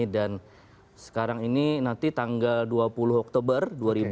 dan sekarang ini nanti tanggal dua puluh oktober